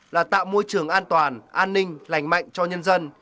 là tạo môi trường an toàn an ninh lành mạnh cho nhân dân